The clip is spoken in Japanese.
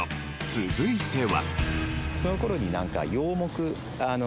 続いては。